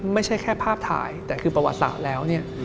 ไม่ใช่แค่ภาพถ่ายแต่คือประวัติศาสตร์แล้วเนี่ย